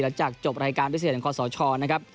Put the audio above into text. หลังจากจบรายการพิเศษของคอสสชนะครับ